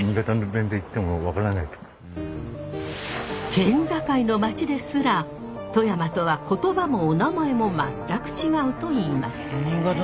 県境の町ですら富山とは言葉もおなまえも全く違うといいます。